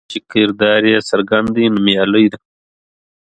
ملالۍ چې کردار یې څرګند دی، نومیالۍ ده.